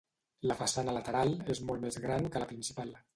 La façana lateral és molt més gran que la principal.